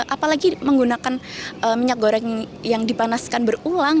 apalagi menggunakan minyak goreng yang dipanaskan berulang